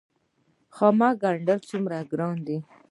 خامک ګنډل څومره ګران دي؟